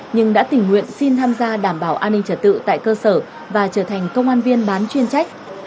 nhưng đã tình nguyện xin tham gia đảm bảo an ninh trật tự tại cơ sở và trở thành công an viên bán chuyên trách